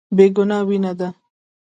بې ګناه وينه ده.